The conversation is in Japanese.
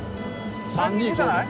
３−２−５じゃない？